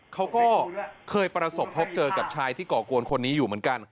เขาก็เคยประสบพบเจอกับชายที่ก่อกวนคนนี้อยู่เหมือนกัน